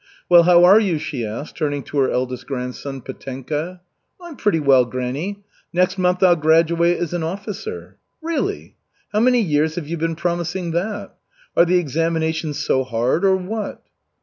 "Well, how are you?" she asked, turned to her eldest grandson, Petenka. "I'm pretty well, granny. Next month I'll graduate as an officer." "Really? How many years have you been promising that? Are the examinations so hard? Or what?"